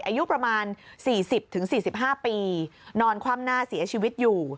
อายุประมาณ๔๐๔๕ปีนอนคว่ำหน้าเสียชีวิตอยู่